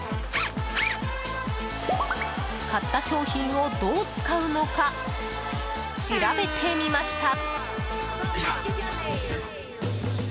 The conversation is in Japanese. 買った商品をどう使うのか調べてみました。